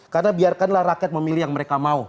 karena biarkanlah rakyat memilih yang mereka mau